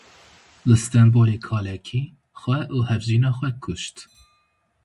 Li Stenbolê kalekî, xwe û hevjîna xwe kuşt.